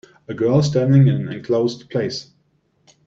A girl standing in an enclosed place